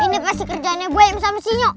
ini pasti kerjaannya boy m sama sinyo